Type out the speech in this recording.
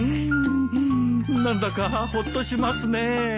何だかほっとしますね。